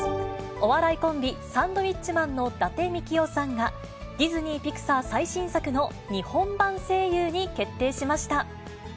お笑いコンビ、サンドウィッチマンの伊達みきおさんが、ディズニー・ピクサー最新作の日本版声優に決定しました。